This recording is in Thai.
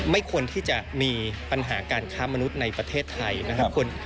ไม่ควรที่จะมีปัญหาการค้ามนุษย์ในประเทศไทยนะครับ